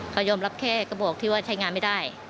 เขายอมรับแค่กระบอกที่ว่าใช้งานไม่ได้